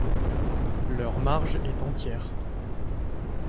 Leur marge est entière.